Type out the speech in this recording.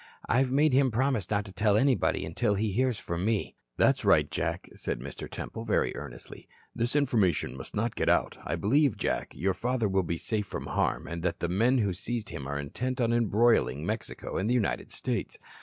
I've made him promise not to tell anybody until he hears from me." "That's right, Jack," said Mr. Temple, very earnestly. "This information must not get out. I believe, Jack, your father will be safe from harm and that the men who seized him are intent on embroiling Mexico and the United States.